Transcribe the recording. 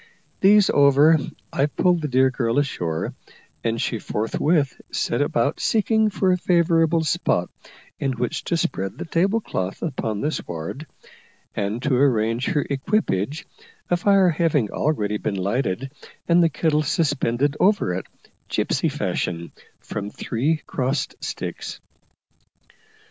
These over, I pulled the dear girl ashore, and she forthwith set about seeking for a favourable spot in which to spread the table cloth upon the sward, and to arrange her equipage, a fire having already been lighted and the kettle suspended over it, gipsy fashion, from three crossed sticks.